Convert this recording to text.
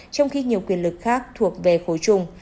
trong khi nhiều quyền lực khác thuộc về khối chung